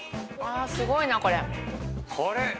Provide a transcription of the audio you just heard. あすごいなこれ。